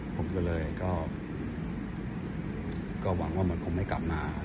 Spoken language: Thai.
ผมก็เลยก็หวังว่ามันคงไม่กลับมา